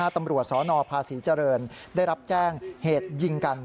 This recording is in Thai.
ตำรวจสนภาษีเจริญได้รับแจ้งเหตุยิงกัน